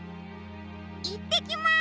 いってきます！